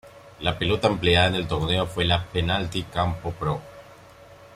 La pelota empleada en el torneo fue la "Penalty Campo Pro".